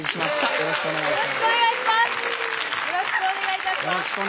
よろしくお願いします。